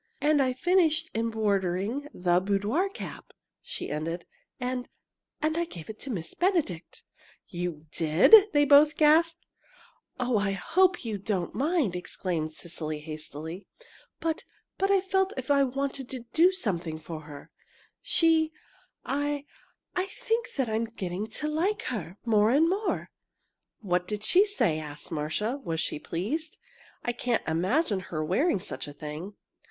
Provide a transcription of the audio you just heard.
"And I finished embroidering the boudoir cap," she ended, "and and I gave it to Miss Benedict." "You did?" they both gasped. "Oh, I hope you don't mind!" exclaimed Cecily, hastily; "but but I felt as if I wanted to do something for her. She I I think I'm getting to like her more and more." "What did she say?" asked Marcia. "Was she pleased? I can't imagine her wearing such a thing."